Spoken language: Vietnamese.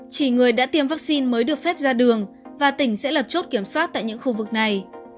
chỉ người đã tiêm vaccine mới được phép ra đường và tỉnh sẽ lập chốt kiểm soát tại những khu vực này